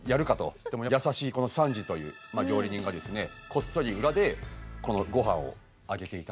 でも優しいこのサンジという料理人がですねこっそり裏でこのごはんをあげていたというシーン。